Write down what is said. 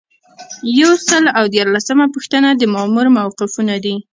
یو سل او دیارلسمه پوښتنه د مامور موقفونه دي.